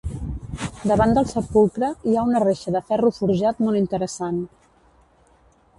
Davant del sepulcre hi ha una reixa de ferro forjat molt interessant.